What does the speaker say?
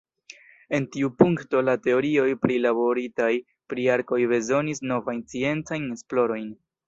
En tiu punkto la teorioj prilaboritaj pri arkoj bezonis novajn sciencajn esplorojn.